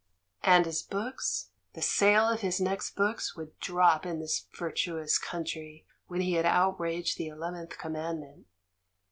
And his books? The sale of his next books would drop in this virtuous country when he had outraged the Eleventh Commandment.